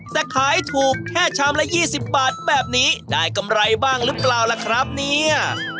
แต่ขายถูกแค่ชามละ๒๐บาทแบบนี้ได้กำไรบ้างหรือเปล่าล่ะครับเนี่ย